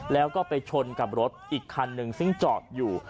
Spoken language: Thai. แล้วก็ไปชนกับรถอีกคันหนึ่งซึ่งจอดอยู่